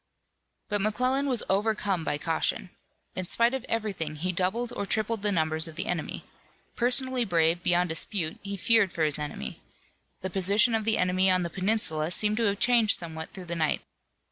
But McClellan was overcome by caution. In spite of everything he doubled or tripled the numbers of the enemy. Personally brave beyond dispute, he feared for his army. The position of the enemy on the peninsula seemed to have changed somewhat through the night.